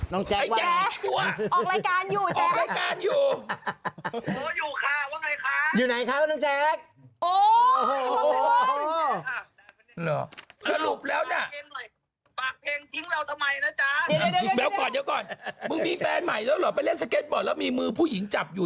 น้องแจกว่าไงแจ๊จัดการับสู้อยู่แจ๊จัดการับสู้อยู่